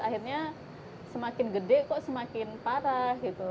karena semakin gede kok semakin parah gitu